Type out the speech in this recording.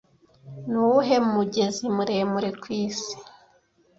Nuwuhe mugezi muremure kwisi